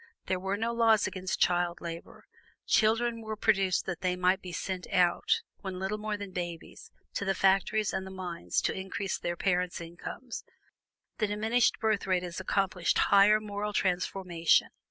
There were no laws against child labor; children were produced that they might be sent out, when little more than babies, to the factories and the mines to increase their parents' incomes. The diminished birth rate has accomplished higher moral transformation.